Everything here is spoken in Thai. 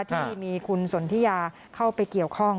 ที่มีคุณสนทิยาเข้าไปเกี่ยวข้อง